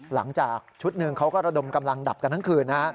หลังจากชุดหนึ่งเขาก็ระดมกำลังดับกันทั้งคืน